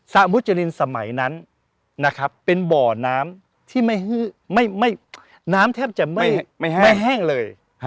หมุจรินสมัยนั้นนะครับเป็นบ่อน้ำที่น้ำแทบจะไม่แห้งเลย